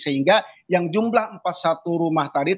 sehingga yang jumlah empat puluh satu rumah tadi